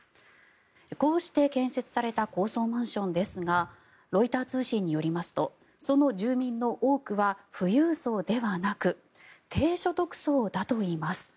こうして建設された高層マンションですがロイター通信によりますとその住民の多くは富裕層ではなく低所得層だといいます。